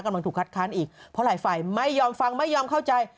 กำลังถูกคัดค้านอีกเพราะหลายฝ่ายไม่ยอมฟังไม่ยอมเข้าใจ